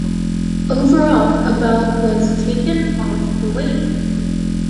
Overall about was taken off the weight.